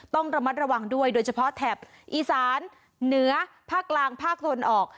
ต้องระมัดระวังด้วยโดยเฉพาะแถบอีสานเหนือภาคกลางภาคตะวันออก